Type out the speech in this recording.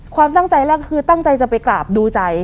ความตั้งใจแรกคือตั้งใจจะไปกราบดูใจ